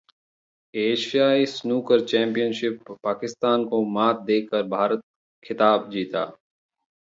एशियाई snooker championship: Pakistan को मात देकर भारत जीता खिताब